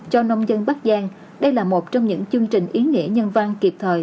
cho nông dân bắc giang đây là một trong những chương trình ý nghĩa nhân văn kịp thời